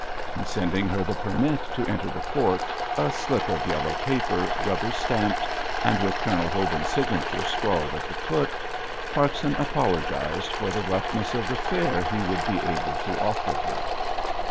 In sending her the permit to enter the fort—a slip of yellow paper, rubber stamped, and with Colonel Hobin's signature scrawled at the foot—Parkson apologised for the roughness of the fare he would be able to offer her.